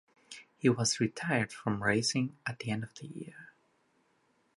He was retired from racing at the end of the year.